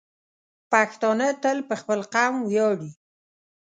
پښتانه تل په خپل قوم ویاړي.